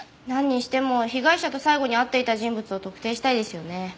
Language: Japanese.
なんにしても被害者と最後に会っていた人物を特定したいですよね。